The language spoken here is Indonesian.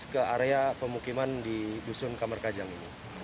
ke area pemukiman di dusun kamarkajang ini